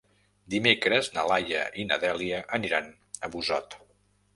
Dimecres na Laia i na Dèlia aniran a Busot.